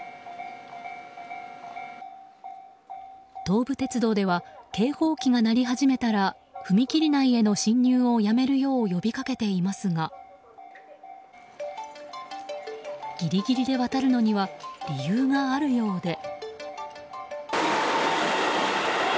東武鉄道では警報機が鳴り始めたら踏切内への進入をやめるよう呼びかけていますがギリギリで渡るのには理由があるようで。